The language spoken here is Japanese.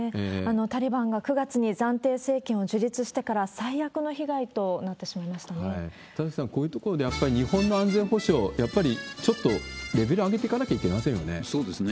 タリバンが９月に暫定政権を樹立してから最悪の被害となってしま田崎さん、こういうところで日本の安全保障、やっぱりちょっとレベル上げていかなきゃいけないですよね。